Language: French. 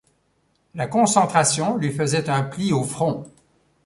La concentration lui faisait un pli au front.